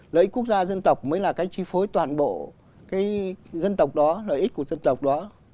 lợi ích quốc gia dân tộc mới là cái chi phối toàn bộ cái dân tộc đó lợi ích của dân tộc đó